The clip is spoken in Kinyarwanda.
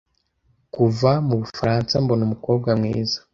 Kuva Mubufaransa mbona Umukobwa mwiza